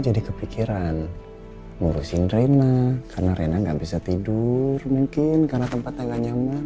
jadi kepikiran ngurusin rina karena rina nggak bisa tidur mungkin karena tempatnya nyaman